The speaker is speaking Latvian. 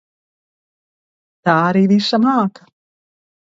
Tā arī visa māka.